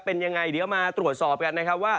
เป็นยังไงเดี๋ยวมาตรวจสอบกันนะครับว่า